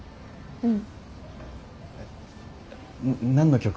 うん。